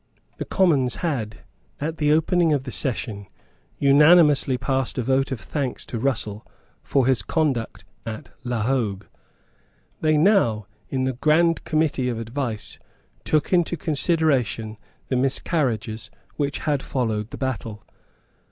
The Commons had, at the opening of the session, unanimously passed a vote of thanks to Russell for his conduct at La Hogue. They now, in the Grand Committee of Advice, took into consideration the miscarriages which had followed the battle.